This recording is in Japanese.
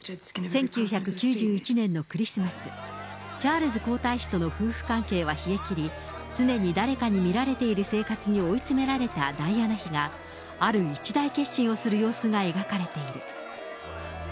１９９１年のクリスマス、チャールズ皇太子との夫婦関係は冷え切り、常に誰かに見られている生活に追い詰められたダイアナ妃が、ある一大決心をする様子が描かれている。